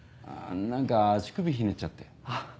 何か足首ひねっちゃって。